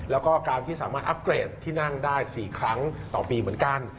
แล้วก็การที่สามารถอัพเกรดที่นั่งได้๔ครั้งต่อปีเหมือนกัน